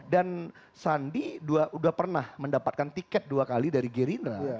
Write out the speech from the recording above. dan sandi udah pernah mendapatkan tiket dua kali dari gerindra